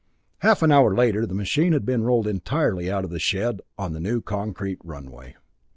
Half an hour later the machine had been rolled entirely out of the shed, on the new concrete runway.